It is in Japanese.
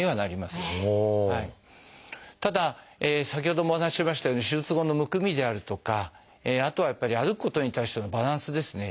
ただ先ほどもお話ししましたように手術後のむくみであるとかあとはやっぱり歩くことに対してのバランスですね。